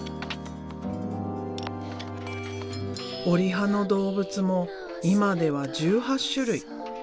折り葉の動物も今では１８種類。